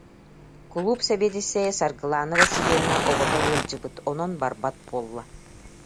Кулууп сэбиэдиссэйэ Саргылаана Васильевна оҕото ыалдьыбыт, онон барбат буолла